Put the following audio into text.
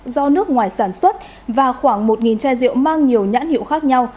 do nước ngoài sản xuất và khoảng một chai rượu mang nhiều nhãn hiệu khác nhau